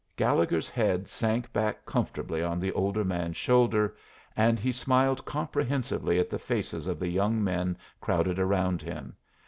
Gallegher's head sank back comfortably on the older man's shoulder, and he smiled comprehensively at the faces of the young men crowded around him.